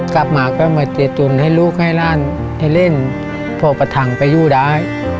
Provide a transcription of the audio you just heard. กลับมาก็มาเจษฐงให้ลูกให้ร่าให้เล่นพักถังก็อยู่ได้